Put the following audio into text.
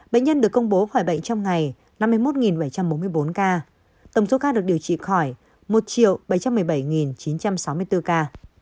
bệnh nhân được công bố khỏi bệnh trong ngày năm mươi một bảy trăm bốn mươi bốn ca tổng số ca được điều trị khỏi một bảy trăm một mươi bảy chín trăm sáu mươi bốn ca